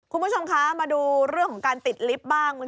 คุณผู้ชมคะมาดูเรื่องของการติดลิฟต์บ้าง